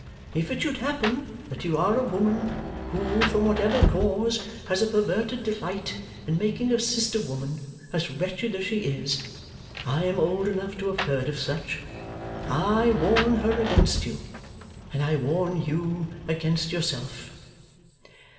If it should happen that you are a woman, who, from whatever cause, has a perverted delight in making a sister woman as wretched as she is (I am old enough to have heard of such), I warn her against you, and I warn you against yourself.